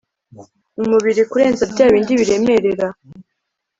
umubiri kurenza bya bindi biremerera